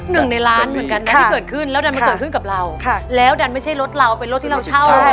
หนึ่งในล้านเหมือนกันนะที่เกิดขึ้นแล้วดันมาเกิดขึ้นกับเราค่ะแล้วดันไม่ใช่รถเราเป็นรถที่เราเช่า